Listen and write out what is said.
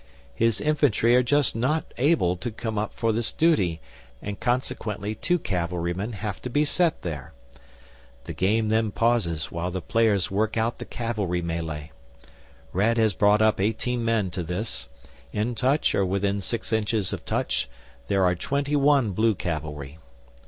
His infantry are just not able to come up for this duty, and consequently two cavalry men have to be set there. The game then pauses while the players work out the cavalry melee. Red has brought up eighteen men to this; in touch or within six inches of touch there are twenty one Blue cavalry.